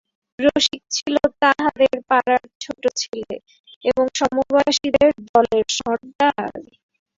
রসিক ছিল তাহাদের পাড়ার ছোটো ছেলে এবং সমবয়সীদের দলের সর্দার।